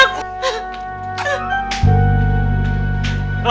ngapain kita mau manja